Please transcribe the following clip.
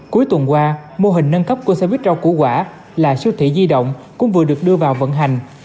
cuối tuần qua mô hình nâng cấp của xe buýt rau củ quả là siêu thị di động cũng vừa được đưa vào vận hành